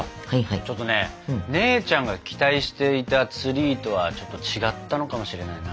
ちょっとね姉ちゃんが期待していたツリーとはちょっと違ったのかもしれないな。